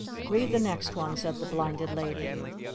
Read the next one!" said the Blinded Lady.